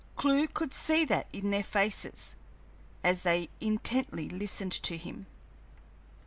Clewe could see that in their faces as they intently listened to him.